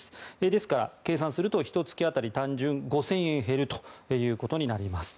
ですから、計算するとひと月当たり５０００円減るということになります。